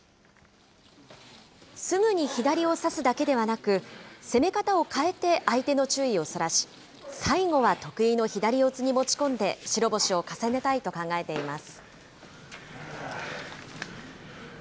すぐに左を差すだけではなく、攻め方を変えて相手の注意をそらし、最後は得意の左四つに持ち込んで、白星を重ねたいと考えています。